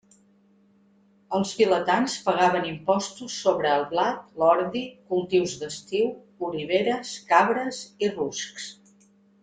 Els vilatans pagaven impostos sobre el blat, l'ordi, cultius d'estiu, oliveres, cabres i ruscs.